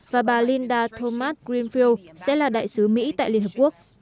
và bà linda thomas greenfield sẽ là đại sứ mỹ tại liên hợp quốc